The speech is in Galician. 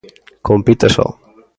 Compite só.